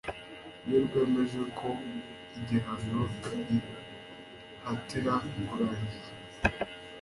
iyo rwemeje ko igihano gihatira kurangiza